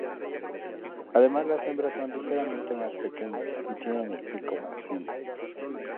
Además las hembras son ligeramente más pequeñas y tienen el pico más fino.